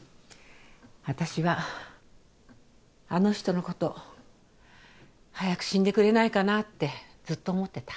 私はあの人のこと早く死んでくれないかなってずっと思ってた。